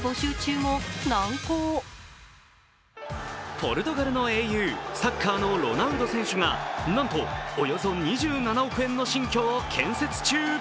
ポルトガルの英雄、サッカーのロナウド選手がなんと、およそ２７億円の新居を建設中。